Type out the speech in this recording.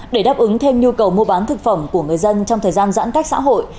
để đáp ứng thêm nhu cầu mua bán thực phẩm của người dân trong thời gian giãn cách xã hội